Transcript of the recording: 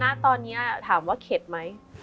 ณตอนนี้ถามว่าเข็ดไหม